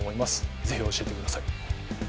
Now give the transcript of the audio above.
ぜひ教えてください。